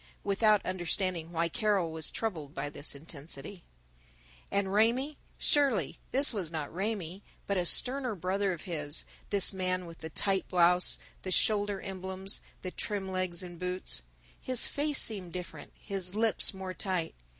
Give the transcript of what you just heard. Without understanding why Carol was troubled by this intensity. And Raymie surely this was not Raymie, but a sterner brother of his, this man with the tight blouse, the shoulder emblems, the trim legs in boots. His face seemed different, his lips more tight.